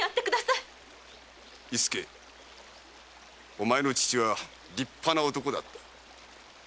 お前の父は立派な男だった。